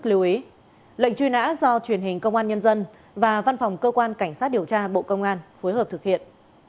nội dung của clip do truyền hình công an nhân dân và văn phòng cơ quan cảnh sát điều tra bộ công an phối hợp thực hiện